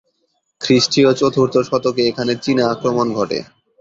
খ্রিস্টীয় চতুর্থ শতকে এখানে চীনা আক্রমণ ঘটে।